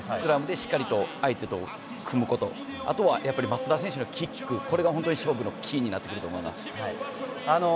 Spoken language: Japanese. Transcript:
しっかり相手と組むこと、あとは松田選手のキック、これが本当に勝負のキーになってくると思います。